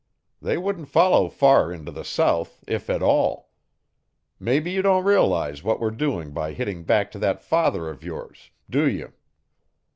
They wouldn't follow far into the south, if at all. Mebby you don't realize what we're doing by hitting back to that father of yours. Do you?"